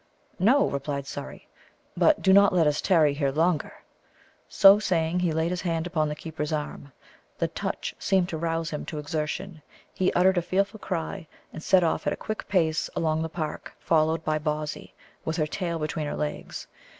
"No," replied Surrey; "but do not let us tarry here longer." So saying he laid his hand upon the keeper's arm. The touch seemed to rouse him to exertion: He uttered a fearful cry, and set off at a quick pace along the park, followed by Bawsey, with her tail between her legs.